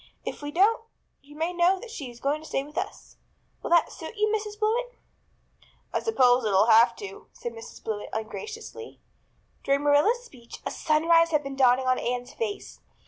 If we don't you may know that she is going to stay with us. Will that suit you, Mrs. Blewett?" "I suppose it'll have to," said Mrs. Blewett ungraciously. During Marilla's speech a sunrise had been dawning on Anne's face.